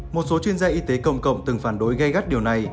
một số chuyên gia y tế công cộng từng phản đối gây gắt điều này